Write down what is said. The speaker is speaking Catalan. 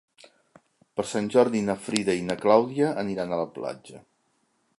Per Sant Jordi na Frida i na Clàudia aniran a la platja.